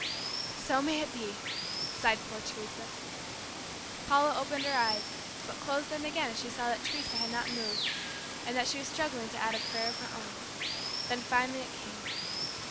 "So may it be," sighed poor Teresa. Paula opened her eyes, but closed them again as she saw that Teresa had not moved, and that she was struggling to add a prayer of her own. Then finally it came.